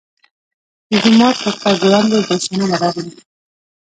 د جومات تر تګ وړاندې ګل صنمه راغله.